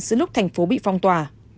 giữa lúc thành phố bị phong tỏa